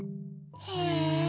へえ。